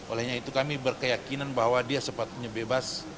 olehnya itu kami berkeyakinan bahwa dia sepatutnya bebas